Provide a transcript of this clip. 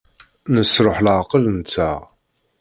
Nesṛuḥ leɛqel-nteɣ.